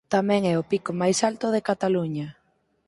Tamén é o pico máis alto de Cataluña.